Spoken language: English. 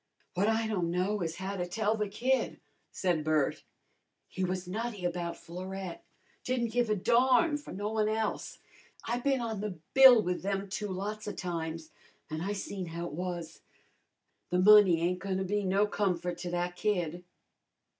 "W'at I don' know is how to tell the kid," said Bert. "He was nutty about Florette; didn't give a darn for no one else. I bin on the bill with them two lots of times, an' I seen how it was. The money ain't goin' to be no comfort to that kid!"